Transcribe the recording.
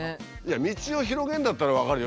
道を広げるんだったら分かるよ